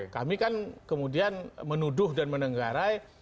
kami kan kemudian menuduh dan menenggarai